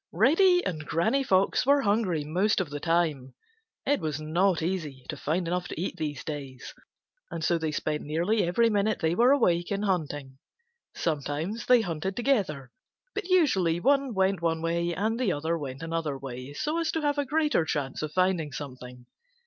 Reddy and Granny Fox were hungry most of the time. It was not easy to find enough to eat these days, and so they spent nearly every minute they were awake in hunting. Sometimes they hunted together, but usually one went one way, and the other went another way so as to have a greater chance of finding something.